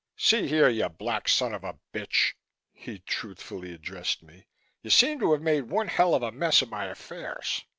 "See here, you black son of a bitch," he truthfully addressed me. "You seem to have made one hell of a mess of my affairs.